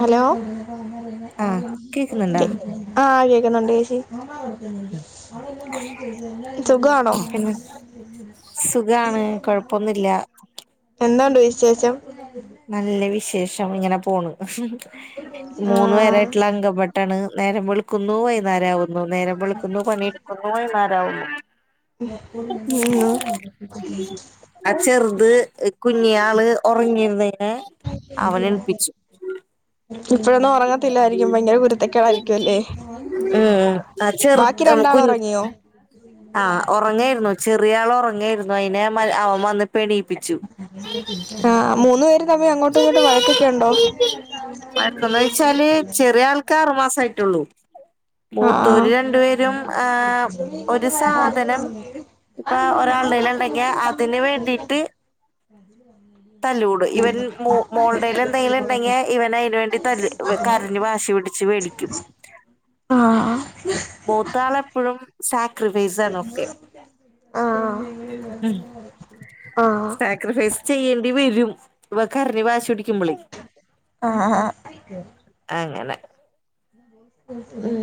Hello ആഹ് കേക്കുന്നുണ്ടാ കേ ആഹ്, കേക്കുന്നെണ്ട് ചേച്ചി സുഖാണോ? [inaudible] സുഖാണ് കൊഴപ്പൊന്നില്ല. എന്നാ ഉണ്ട് വിശേഷം? നല്ല വിശേഷമിങ്ങന പോണ്, മൂന്നു ആഹ് പേരായിട്ടുള്ള അംഗവെ ട്ടാണ് നേരം വെള്ക്കുന്നു വൈന്നേരാകുന്നു നേരം വെള്ക്കുന്നു പണിയെടുക്കുന്നു വൈകുന്നേരാവുന്നു. നിന്നു ആ ചെറുത് കുഞ്ഞി ആള് ഒറങ്ങിരുന്നേനേ അവൻ എൽപ്പിചു. ഇപ്പഴൊന്നും ഒറങ്ങത്തില്ലായിരിക്കും ഭയങ്കര കുരുത്തക്കേടായിരിക്കുല്ലേ. ഉം ആ ചെറ്ത് ആ കുഞ്ഞ് ആഹ്, ഒറങ്ങേരുന്നു ചെറിയ ആള് ഒറങ്ങേരുന്നു അയിനെ അമ്മാര് അവൻ വന്ന് ഇപ്പെണീപ്പിച്ചു. ആഹ്, മൂന്ന് പേരും തമ്മിലങ്ങോട്ടുമിങ്ങോട്ടും വഴക്കൊക്കെ ഉണ്ടോ? ആ പെട്ടെന്നൊയ്ച്ചാല് ചെറിയ ആൾക്ക്‌ ആറ് മാസായിട്ടൊള്ളൂ. ആഹ് മൂത്തോര് രണ്ടു പേരും ആ ഒരു സാധനം ഇപ്പ ഒരാളടേയിലെണ്ടെങ്കിയേ അതിന് വേണ്ടിട്ട് അതില് വന്നേല് തല്ലൂടും ഇവര് മോ മോൾടേല് എന്തെങ്കിലിണ്ടെങ്ക്യേ ഇവൻ അയിന് വേണ്ടി തല്ല് ഇവൻ കരഞ്ഞ് വാശി പിടിച്ച് വേടിക്കും ആഹ് മൂത്താളെപ്പഴും സാക്രിൽ ആഹ് ഉം ആഹ് സാക്രിഫൈസ് ചെയ്യേണ്ടി വെരും ഇവൻ കരഞ്ഞ് വാശി പിടി കുമ്പിളി ആഹ് അങ്ങന ഉഉം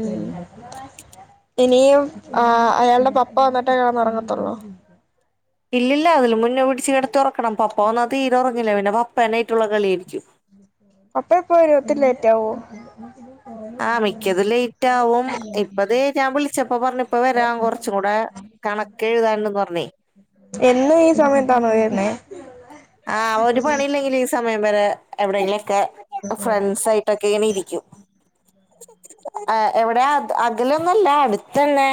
ഇനിയും ആഹ് അയാള്ട പപ്പ വന്നിട്ടേ ടന്നറങ്ങത്തൊള്ളോ. ഇല്ലില്ല അതില് മുന്നേ പിടിച്ച് കിടത്തിയൊറക്കണം പപ്പ വന്നാ തീരെ ഒറങ്ങില്ല പിന്നെ പപ്പേനേയിട്ടുള്ള കളി യായിരിക്കും. പപ്പ ഇപ്പവരും ഒത്തിരി ലേറ്റാവോ. ആഹ് മിക്കതും ലേറ്റാവും ഇപ്പതേ ഞാൻ വിളിച്ചപ്പ പറഞ്ഞു ഇപ്പ വരാം കൊറച്ചൂടെ കണക്കെഴുതാണ്ട് പറഞ്ഞ്. എന്നും ഈ സമയത്താണോ വരുന്നേ. ആഹ് ഒരു പണിയില്ലെങ്കില് ഈ സമയം വരെ എവിടെങ്കിലെക്കെ ഫ്രണ്ട്സായിട്ടെക്ക് കേണിരിക്കും. ആഹ് എവിടേ അത് അകലേന്നൊല്ല അടുത്തന്നെ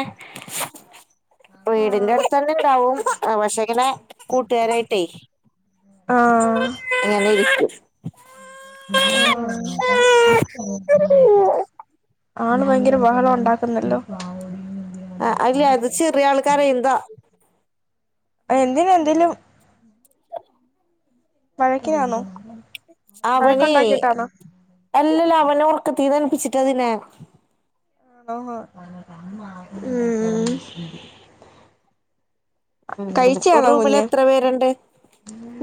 ആഹ് വീടിന്റെടുത്ത് തന്നെ ഇണ്ടാവും പക്ഷെങ്ങനെ കൂട്ടുകാരായിട്ടേ ആഹ് അങ്ങനെ ഇരിക്കും ഞാൻ അങ്ങനെ പറഞ്ഞപ്പ [unintelligible] ആള് വയങ്കര ബഹളൊണ്ടാക്കുന്നല്ലോ. ആഹ് അല്ല അത് ചെറിയാള് കരയണതാ. അഹ് എന്തിന് എന്തേലും വഴക്കിനാണോ? അവനെ വഴക്കുണ്ടാക്കിട്ടാണോ അല്ലല്ലാ അവനെ ഒർക്കതേന്ന് എണീപ്പിച്ട്ടാതിനെ ആഹ് ഉം ഉം ങ്ങനെ ഒര്റൂമില് എത്രപേരുണ്ട്?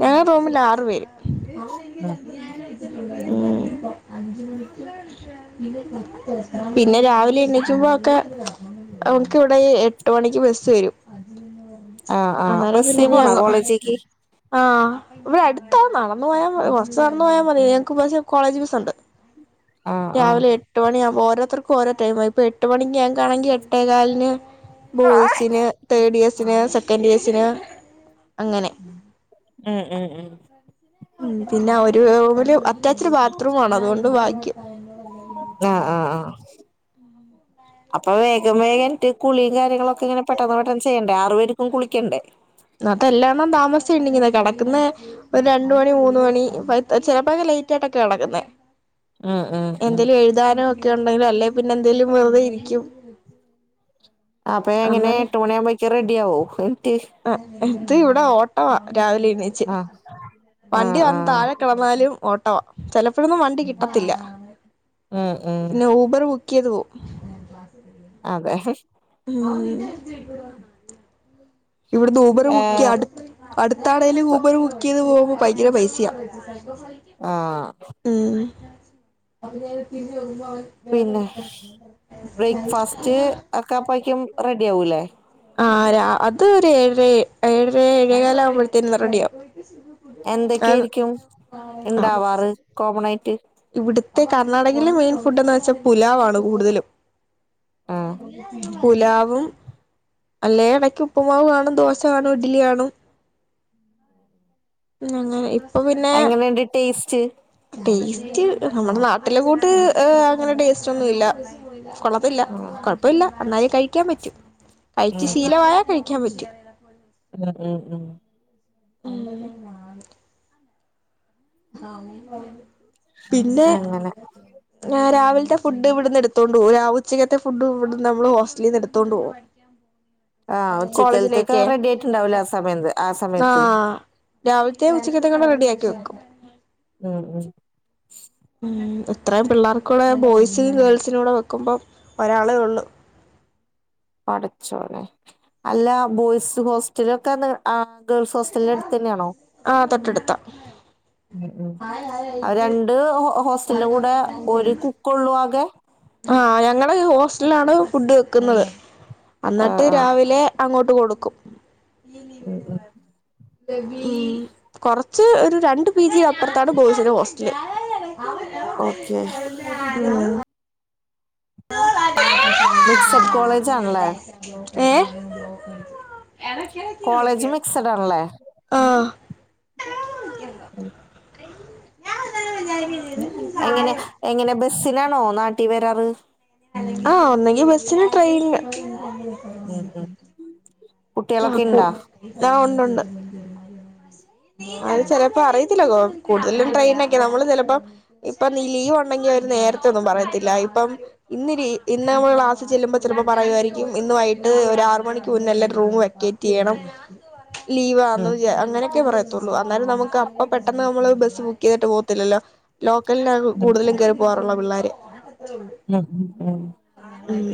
ഞങ്ങറൂമില് ആറ്പേര് ഉം പിന്നെ രാവിലെ എണീക്കുമ്പോ ഒക്കെ ന്നമുക്ക് ഇവടെ ഈ എട്ടുമണിക്ക് ബെസ്സ് വെരും. ആഹ് ആഹ് അന്നേരം ബസ്സി പിന്നെഇനി പോണോ അങ്ങ കോളേജിക്ക് ആഹ് ഇവിടെഅടുത്താ നടന്ന് പോയാ കൊർച്ച് നടന്നുപോയാ മതി ഞങക്ക് പശേ കോളേജ് ബസ്സുണ്ട്. ആഹ് ആഹ് രാവിലെ എട്ട്മണിആവുമ്പോ ഓരോത്തർക്കും ഓരോടൈമാ ഇപ്പോ എട്ട്മണിക്ക് ഞങ്ങണെങ്കിൽ എട്ടേ കാലിന് ബോയ്സിന് തേർഡ്ഇയേഴ്സിന് സെക്കെൻഡ്ഇയേഴ്സിന് അങ്ങനെ ഉം, ഉം, ഉം ഉം പിന്നെ അവര് ഓല് റൂമില് അറ്റാച്ചെട് ബാത്റൂംണ് അതോണ്ട് ബാഗ്യം. ആഹ്, ആഹ്, ആഹ് [inaudible] അപ്പൊ വേഗംവേഗംന്നിട്ട് കുളിയും കാര്യങ്ങളൊക്കെ ഇങ്ങനെപെട്ടെന്ന് പെട്ടെന്ന്ചെയ്യണ്ടേ ആർപേർക്കും കുളിക്കണ്ടേ ഇന്നത്തെ എല്ലാണ്ണം താമസിച്ചണീക്കുന്നെ കടക്കുന്നേ ഇപ്പോ രണ്ട്മണി മൂന്ന്മണി ഇപ്പത്തെ ചെലപ്പോക്കെ ലേയ്റ്റായിട്ട കെടക്കുന്നേ ഉം ഉം ഉം എന്തേലും എഴുതാനോഒക്കെ ഉണ്ടെങ്കും അല്ലെപിന്നെ എന്തെലും വെറുതെ ഇരിക്കും. അപ്പൊ അങ്ങനെ എട്ട് മണിയാഉമ്പോേക്ക് റെഡിയാവോ ഹ് ട്ടി അഹ് അത് ഇവിടെഓട്ടവാ രാവിലെ എണീച്ച് ആഹ് ആഹ് വണ്ടിവന്ന് ആഹ് താഴെ കെ വന്നാലും ഓട്ടവാ ചെലപ്പോഴൊന്നും വണ്ടികിട്ടത്തില്ല ഉം ഉം പിന്നെ ഊബർ ബു ക്കെയ്ത് പോവും. അതെ ഉം ഇവിടുന്ന് ഊബെറ് ഏഹ് വുക്കെയ്യാട് അട്ത്താണേല് ഊബർ ബുക്കെയ്ത് പോഉമ്പോ ഭയങ്കരപൈസെയാ. ആഹ് ഉം പിന്നെ ബ്രേക്ക്ഫാസ്റ്റ്ഒക്കെ അപ്പയ്ക്കും റെഡിആവൂലേ? ആഹ് രാ അത് ഏഴെ ഏഴെര ഏഴേകാലൊകുമ്പേതിന് റെഡിയവും. എന്തൊക്കെയായിരിക്കും ഉണ്ടാവാറ് കോമൺആയിട്ട് ഇവ്ടുത്തെ കർണാടകയിലെമെയിൻ ഫുഡെന്ന് വെച്ചാൽപുലാവാണ് കൂടുതലും. ആഹ് [unintelligible] പുലാവും അല്ലേഇടക്ക് ഉപ്പുമാവ്കാണും ദോശകാണും ഇഡ്ഡലികാണും. ഉംഅങ്ങനെ ഇപ്പൊപിന്നെ എങ്ങനെയുണ്ട് ടേസ്റ്റ് ടേസ്റ്റ്ന്നമ്മുടെ നാട്ടിലെ കൂട്ട്അങ്ങനെ ടേസ്റ്റൊന്നുല്ല. കുളത്തില്ല ആഹ് കുഴപ്പല്ലഎന്നാലും കഴിക്കാൻ പറ്റും കഴിച്ച്ശീലമായാൽ കഴിക്കാൻ പറ്റും. [inaudible] അങ്ങനെ ഉം, ഉം [unintelligible] പിന്നെ അങ്ങനെ ആഹ് രാവില്ത്തെ ഫുഡ്ഇവിടുന്ന് എടുത്തോണ്ട്പോകു ര ഉചെക്കെത്തെ ഫുഡ്ഇവിടുന്ന് ന്നമ്മൾഹോസ്റ്റലിന്ന് എട്ത്തോണ്ട്പോകും. ആഹ് ഉച്ചക്കലത്തേക്ക് കോളേജിലേക്ക് റെഡി ആയിട്ടുണ്ടാവൂലേ ആ സമയത്ത് ആ സമയത്ത് ആഹ് രാവിലത്തെ ഉച്ചയ്ത്തേക്കുള്ളെ റെഡിയാക്കിവെക്കും. ആഹ്, ആഹ് ഉം ഇത്രേം പിള്ളേർക്കൂള്ളേ ബോയ്സും ഗേൾസിനോകൂടെ വെക്കുമ്പോഒരാളേഒള്ളു. പടച്ചോനെ അല്ലബോയ്സ് ഹോസ്റ്റലൊക്കെന്ന് ആ ഗേൾസ്ഹോസ്റ്റലന്റെ അടുത്തെന്നേണോ? ആഹ് തൊട്ടടുത്താ ഉം, ഉം അഹ് രണ്ട്ഹോസ്റ്റലിന്റെ കൂടെഒര് കുക്കൊള്ളുആകെ? ആ ഞങ്ങള് ഹോസ്റ്റലാണ് ഫുഡ് വെക്ക്ന്നത് ആഹ് അന്നട്ട് ആഹ് രാവിലെ അങ്ങോട്ട് കൊട്ക്കും ഉം ഉം കൊർച്ച് ഒര് രണ്ട് പി ജി അപ്പർത്താണ് ബോയ്സിന്റെ ഹോസ്റ്റല് ഓക്കെ ഉം മിക്സഡ് കോളേജ് ആണല്ലേ ഏ കോളേജ് മിക്സഡ് ആണല്ലേ ആ എങ്ങനെ എങ്ങനെ ബേസ്സിലാണോ നാട്ടി വെരാറ് ആ ഒന്നങ്കി ബേസ്സിന് ട്രൈയ്ന് വെന്താ നാപ്പൂ ആ ഉണ്ടുണ്ട് അഹ് ചേലെപ്പോ അറിയത്തില്ലാ കോ കൂട്തലും ട്രൈനൊക്കെ നമ്മള് ചേലപ്പോ ഇപ്പം നീ ലീവ് ഉണ്ടെങ്കി അവര് നേരത്തെ ഒന്നും പറയത്തില്ലാ ഇപ്പം ഇന്നരീ ഇന്ന് മ്മള് ക്ലാസ് ചെല്ല്മ്പോ ചേലപ്പോ പറയായിരിക്കും ഇന്ന് വൈയിട്ട് ഒര് ആറ് മണിക്ക് മുന്നെല്ലാരും റൂം വെ ക്കെറ്റ്യ്യണം ലീവ് [unintelligible] അങ്ങനെ ക്കെ ഉം പറയത്തോള്ളൂ അന്നേരം ഉം നമ്മക്ക് അപ്പൊ പെട്ടെന്ന് നമ്മള് ബെസ്സ് ബുക്കിതട്ട് പോവത്തില്ലല്ലോ ലോക്കൽലാ കൂടുതലും കേറി പോവാറ്ള്ളഹ് പിള്ളാര് [unintelligible] ഉം ഉം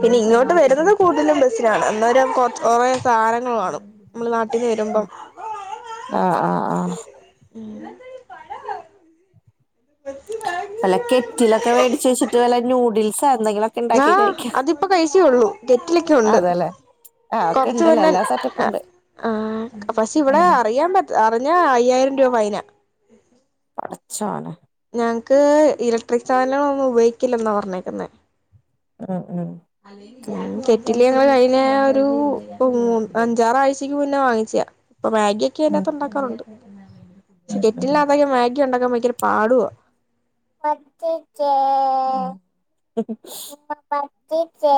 പിന്നെ ഇങ്ങോട്ട് വര്ന്നത് കൂട്തലും ബേസ്സിനാണ് ന്നെരം കൊ കൊറെ സാനങ്ങള് കാണും മ്മള് നാട്ടില് വര്മ്പം ആ അ ആ ഉം [inaudible] വെല്ല കെറ്റിലൊക്കെ വേടിച്ച് വെച്ചിട്ട് വെല്ല നൂഡിൽസ എന്തെങ്കിലോ ആ അതിപ്പോ കഴിച്ചയോള്ളൂ കെറ്റിലൊക്കെ ഉണ്ട് അതെല്ലേ ആഹ് ഒക്കെ കൊർച്ച് ഇണ്ടല്ലേ മുന്നെ എല്ലാ സെറ്റപ്പും ഉണ്ട് ആ പക്ഷെ ഇവടെ ഉം അറിയാൻ പറ്റ ത്ത് അറിഞ്ഞാ അയ്യായിരം രൂപ ഫൈനാ പട്ച്ചോനെ ഞങ്ങക്ക് ഇലട്രിക്ക് സാനങ്ങളൊന്നും ഉപയോക്കില്ലന്നാ പർഞ്ഞേക്ക്ന്നെ ഉം ഉം അല്ലാങ്കി കെറ്റില് ഞങ്ങള് കയ്ഞ ഒരൂ മൂ അഞ്ചാറാഴ്ച്ചക്ക് മുന്നേ വാങ്ങിച്ചയാ ഇപ്പൊ മാഗിക്കെ ഉം അയ്ന്റകത്ത് ഉണ്ടാക്കാറുണ്ട് പക്ഷെ ഉം ഉം കെറ്റിൽനാത്ത് മാഗി ഉണ്ടാക്കാ ഭയങ്കര പാടുവാ പറ്റിചേ പറ്റിചേ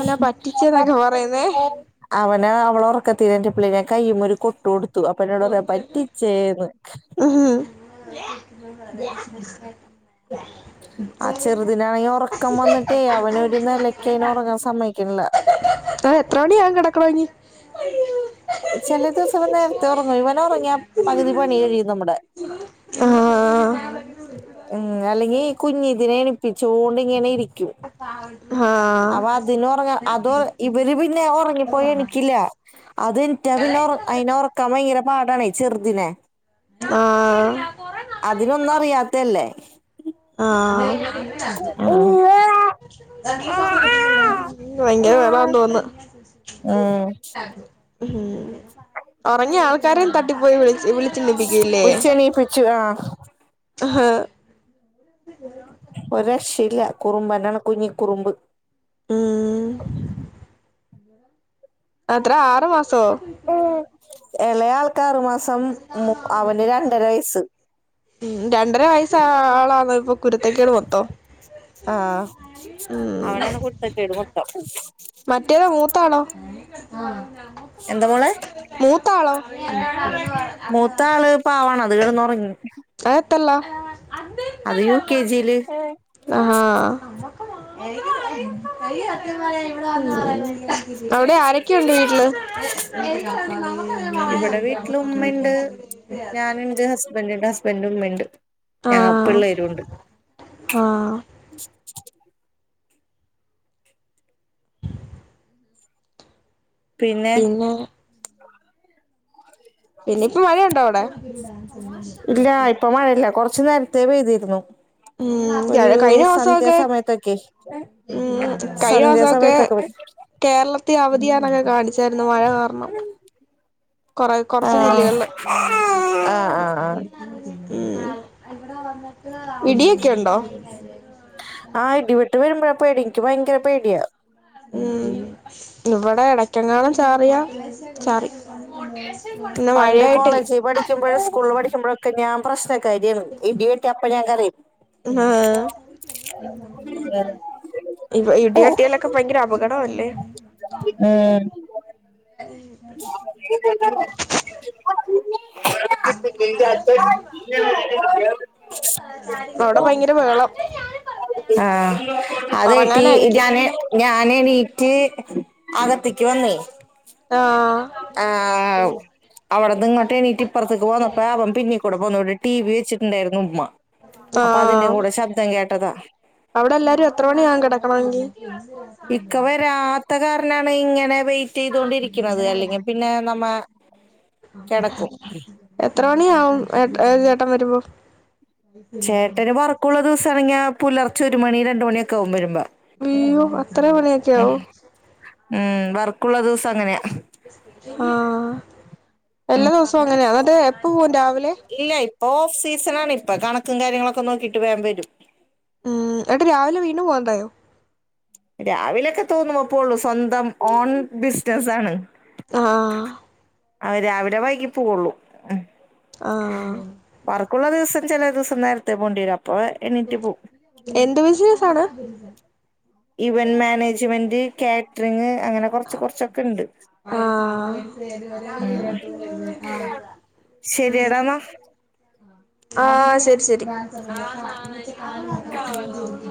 എന്നാ പറ്റിച്ചേന്നൊക്കെ പറയുന്നേ പറ്റിച്ചേ അവനെ അവളൊർക്കത്തീന്നെണീറ്റപ്പളെ ഞാൻ കയ്യ്മ്മ ഒരു കൊട്ട് കൊടു ത്തു അപ്പ ന്നോട്റിയാ പറ്റിച്ചേന്ന് [inaudible] ആ ചെറ്തിനാണെങ്കി ഒറക്കം വന്ന്ട്ടേ അവന് ഒര് നെലക്ക്യ അയ്നെ ഒറങ്ങാൻ സമ്മയ്ക്കിണില്ല അത് എത്ര മണിയാകും കെടക്കണോങ്കി ചെല ദിവസം നേരത്തെ ഒർങ്ങും ഇവനൊർങ്ങിയാ പകുതി പണി കഴിയും നമ്മടെ ആഹ് ഉം അല്ലെങ്കി കുഞ്ഞിതിനെ എണിപ്പിച്ചോണ്ട് ഇങ്ങനെ ഇരിക്യും [inaudible] ആഹ് അവ അതിനൊർങ്ങ അത് ഇവര് പിന്നെ ഒറങ്ങിപ്പോയെ എണിക്കില്ലാ അത്ൺറ്റാ പിന്നെ ഒറ് അയ്നെ ഒറക്കാൻ ഭയങ്കര പാടാണെയ് ചെർതിനെ ആഹ് അതിനൊന്നറിയാത്തല്ലേ [inaudible] ഭയങ്കര ബഹളന്ന് തോന്ന്‌ ഉം ഉം ഉറങ്ങിയ ആൾക്കാരെയും തട്ടിപ്പോയി വിളിച്ച് വിളി ഉരിച് എനീപ്പിച്ചു ആഹ് അഹാ [inaudible] ഒ രക്ഷ ഇല്ല കുറുമ്പനാണ് കുഞ്ഞി കുറുമ്പ് മഹ് [inaudible] അത്ര ആറു മാസോ ഇളയ ആൾക്കാറ്മാസം മു അവന് രണ്ടര വയസ്സ് മം രണ്ടര വയസ്സ ആളാണോ ഇപ്പൊ കുരുത്തേക്കട് മൊത്തോ ആഹ അവനാണ് കുരുത്ത കേട് മൊത്തം മറ്റേതോ മൂത്താളോ എന്താ മോളെ മൂത്താളോ പാവാാണ് അത് കിടന്ന് ഉറങ്ങി ആയത്രല്ല അത് യു കെ ജിയില് ആഹ് അവിടെ ആരൊക്കെയുണ്ട് വീട്ടില് [inaudible] ഇവിടെ ഞാൻ ന്റെ ഹസ്ബൻറ് ഉണ്ട് ഹസ്ബൻറും ഉമ്മ ഉണ്ട് ഞാ ആഹ് പിള്ളേരും ഉണ്ട് ആഹ് [inaudible] പിന്നെ പിന്നെ ഇപ്പ മഴുണ്ടോ അവിടെ മയല്ലേ കൊർ ച്ച് നേര്ത്തെേ പെയ്തിരുന്നു. ഉം. ഒരു സന്ധ്യ കയ്ഞ്ഞൊസൊക്കെ സമയത്തൊക്കെ ഉം സന്ധ്യ കയ്ഞ്ഞൊസൊക്കെ സമയത്തൊക്കെ കേരളത്തെ അവധിയാണെന്നൊക്കെ കാണിച്ചാര്ന്നു മഴ കാർണം. കൊറ കൊർച്ച് ആഹ് ജില്ലകള്ള്. മ് ആഹ് ആഹ് ആഹ് ഇടിയൊക്കെണ്ടോ? ആ ഇടി വെട്ട് വരുമ്പഴ പേടി എനിക്ക് ഭയങ്കര പേട്യാ. ഉം ഇവടെ എടക്കെങ്ങാനും ചാറിയാ ചാറി ഇന്ന് മഴയായ്ട്ട് ലീ [unintelligible] സ്ക്കൂളള് പഠിക്കുമ്പോഴൊക്കെ ഞാൻ പ്രശൻ കാര്യാണ്‌ ഇടി വെട്ട്യാ അപ്പഞാൻ കരയും. ഇ ഇടി വെട്ടിയാൽ ഭയങ്കര അപകടവല്ലേ? ഉം. [inaudible] [unintelligible] [unintelligible] അവിടെ ഭയങ്കര മേളം. ആ അത് ട്ടീ ഉറങ്ങാനായിരിക്കും ഞാന് ഞാന് എണീറ്റ് അകത്തിക്ക് വന്നേ ആഹ്. ആഹ്. അവടന്ന് ഇങ്ങോട്ട് എണീറ്റ് ഇപ്പർത്ത്ക്ക് പോന്നപ്പം അവൻ പിന്നീകൂടെ പോന്നോണ്ട് ടി വി വെച്ച്ണ്ട് ടായ്രുന്നു ഉമ്മ. അപ്പ അതിന്റെ ആഹ് കൂടെ ശബ്ദം കേട്ടതാ. അവിടെ എല്ലാരും എത്ര മണിയാവും കെടക്കണമെങ്കി? ഇക്ക വരാത്ത കാര്ണാണ് ഇങ്ങനെ വൈ റ്റൈതൊണ്ടിരിക്ക്ണത് അല്ലെങ്കി പിന്നെ നമ്മെ കെടക്കും. എത്ര മണിയാവുംഏ ഏ ചേട്ടൻ വരുമ്പോ? ചേട്ടന് വർക്കുള്ള ദിവസാണങ്കി പുലർച്ചെ ഒരു മണി രണ്ട് മണിയൊക്കെ ആവും വരുംമ്പ. അയ്യോ അത്ര മണിയൊക്കെ ആവോ? ഉം വർക്കുള്ള ദിവസം അങ്ങന്യാ? ആഹ് എല്ലാ ഉം ദിവസും അങ്ങന്യാ എന്നിട്ട് എപ്പ പോവും രാവിലെ? ഇല്ല ഇപ്പൊ ഓഫ് സീസണാണ് ഇപ്പ കണക്കും കാര്യങ്ങളൊക്കെ നോക്കീട്ട് വേം വരും. ഉ എട്ട് രാവിലെ വീണ്ടും പോവാണ്ടായോ? രാവിലൊക്കെ തോന്നുമ്പോ പോ വൊള്ളു സ്വന്തം ഓൺ ബിസ്നസാ ണ്. ആഹ്. ആ രാവിലെ വൈകി പോവൊള്ളൂ. ആഹ്. ഉള്ള ദിവസം ചെല ദിവസം നേരത്തെ പോണ്ടി വരും അപ്പൊ എണീറ്റ് പോവും. എന്ത് ബിസിനസാണ്? ഇവൻ മേനേജ്മെന്റ് കേന്റിറിങ് അങ്ങനെ കൊർച്ച് കൊർച്ച്ണ്ട്. ആഹ്. ശരിയടാ എന്നാ ആഹ് ശെരി ശെരി.